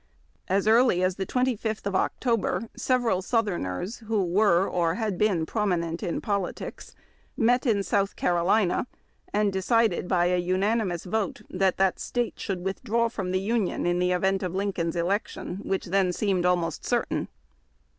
As early as the 25tli of October, several southerners who were or had been prominent in politics met in South Car olina, and decided by a unanimous vote that the State should withdraw from the Union in the event of Lincoln's election, which then seemed almost certain.